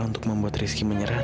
untuk membuat rizky menyerah